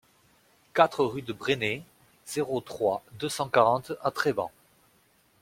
quatre rue de Bresnay, zéro trois, deux cent quarante à Treban